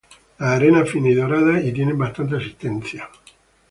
Las arenas finas y doradas y tiene bastante asistencia.